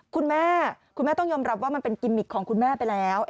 คุณแม่คุณแม่ต้องยอมรับว่ามันเป็นกิมมิกของคุณแม่ไปแล้ว